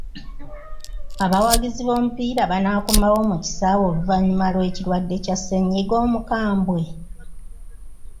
Abawagizi b'omupiira banaakomawo mu bisaawe oluvannyuma lw'ekirwadde kya ssennyiga omukambwe?